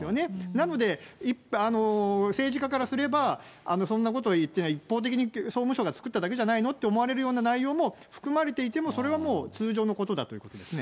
なので、政治家からすれば、そんなこと言ってない、一方的に総務省が作っただけじゃないのって思われるような内容も、含まれていても、それはもう、通常のことだということですね。